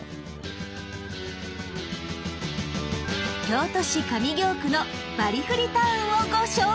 京都市上京区のバリフリ・タウンをご紹介！